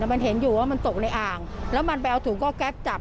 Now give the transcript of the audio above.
มันเห็นอยู่ว่ามันตกในอ่างแล้วมันไปเอาถุงก็แก๊ปจับ